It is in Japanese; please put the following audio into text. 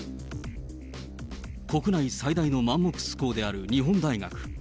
国内最大のマンモス校である日本大学。